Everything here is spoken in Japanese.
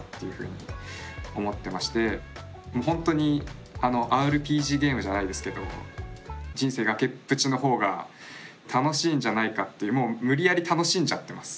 本当にＲＰＧゲームじゃないですけど人生崖っぷちのほうが楽しいんじゃないかってもう無理やり楽しんじゃってます。